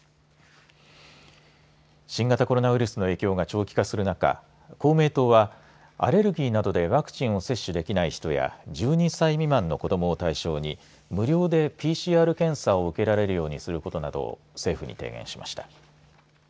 新型コロナウイルスの影響が長期化する中公明党はアレルギーなどでワクチンを接種できない人や１２歳未満の子どもを対象に無料でＰＣＲ検査を受けられるようにすることなどを政府に提言しました。